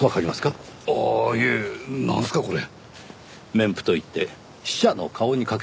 面布といって死者の顔にかける布です。